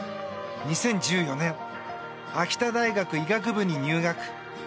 ２０１４年秋田大学医学部に入学。